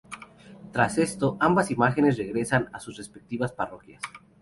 Tras esto, ambas imágenes regresan a sus respectivas parroquias.